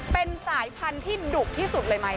เป็นสายพันธุ์ที่ดุที่สุดเลยไหม